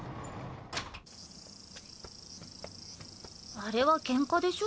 あれはケンカでしょ？